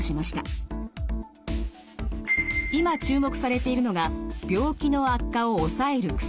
今注目されているのが病気の悪化を抑える薬。